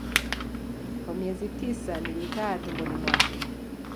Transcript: Kwa miezi tisa nilikaa tumboni mwake